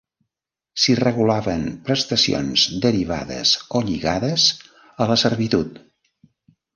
S'hi regulaven prestacions derivades o lligades a la servitud.